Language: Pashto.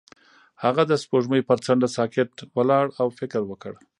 هغه د سپوږمۍ پر څنډه ساکت ولاړ او فکر وکړ.